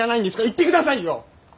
言ってくださいよ！